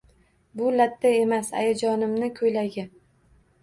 Bu latta emas, ayajonimni koʻylagi.